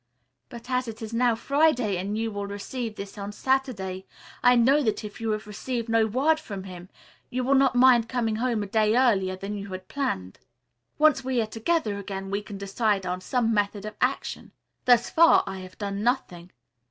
But as it is now Friday and you will receive this on Saturday, I know that if you have received no word from him, you will not mind coming home a day earlier than you had planned. Once we are together again, we can decide on some method of action. Thus far I have done nothing.